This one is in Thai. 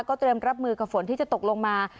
เตรียมรับมือกับฝนที่จะตกลงมา